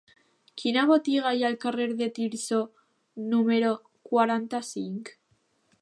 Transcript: Quina botiga hi ha al carrer de Tirso número quaranta-cinc?